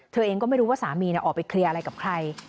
เธอเองก็ไม่รู้ว่าสามีออกไปเคลียร์อะไรกับใคร